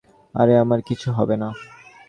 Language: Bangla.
আরে, আমার কিছু হবে না।